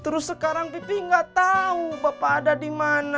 terus sekarang pipi gak tau bapak ada dimana